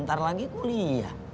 ntar lagi kuliah